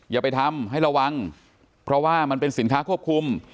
อย่าไปทำให้ระวังเพราะว่ามันเป็นสินค้าควบคุม